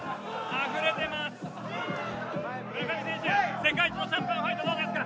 世界一のシャンパンファイトどうですか？